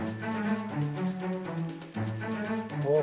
おお！